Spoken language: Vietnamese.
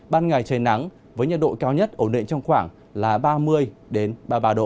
ban ngày trời nắng với nhiệt độ cao nhất ổn định trong khoảng là ba mươi ba mươi ba độ